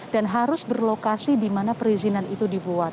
dan harus berlokasi di mana perizinan itu dibuat